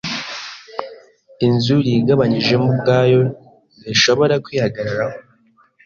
Inzu yigabanyijemo ubwayo ntishobora kwihagararaho.